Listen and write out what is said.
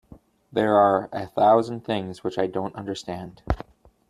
There are a thousand things which I don't understand.